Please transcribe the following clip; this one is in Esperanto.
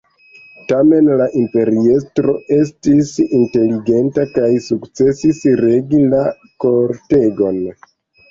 Tamen, la imperiestro estis inteligenta kaj sukcesis regi la kortegon.